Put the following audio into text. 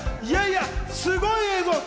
いやいや、すごい映像。